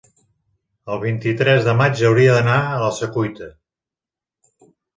el vint-i-tres de maig hauria d'anar a la Secuita.